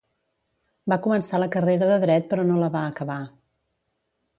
Va començar la carrera de Dret però no la va acabar.